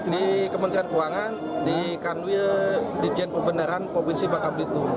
di kementerian keuangan di kanwil di jenderal pembenaran provinsi bakabditu